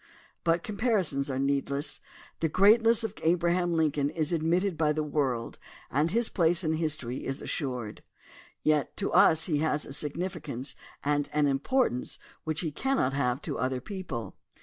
But comparisons are needless. The greatness of Abraham Lincoln is ad mitted by the world and his place in history is assured. Yet to us he has a significance and an importance which he cannot have to other people.